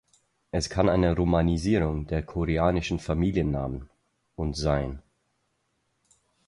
Es kann eine Romanisierung der koreanischen Familiennamen und sein.